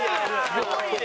すごいね！